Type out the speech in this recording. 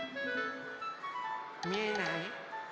みえない？